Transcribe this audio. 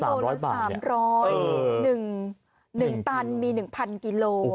กิโลละ๓๐๐หนึ่งตันมี๑๐๐๐กิโล